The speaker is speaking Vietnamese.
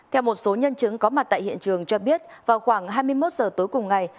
theo một số nhân chứng có mặt tại hiện trường cho biết vào khoảng hai mươi một giờ tối cùng ngày